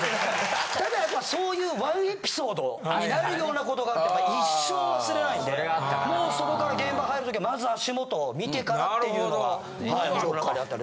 ただやっぱそういう１エピソードになるようなことがあって一生忘れないんでもうそこから現場入るときはまず足元を見てからっていうのが僕の中にあったんで。